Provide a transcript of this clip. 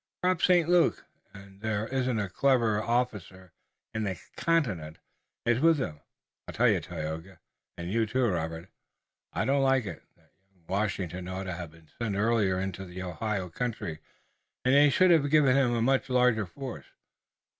Perhaps St. Luc and there isn't a cleverer officer in this continent is with them. I tell you, Tayoga, and you too, Robert, I don't like it! That young Washington ought to have been sent earlier into the Ohio country, and they should have given him a much larger force.